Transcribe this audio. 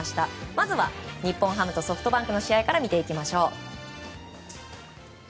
まずは日本ハムとソフトバンクの試合から見ていきましょう。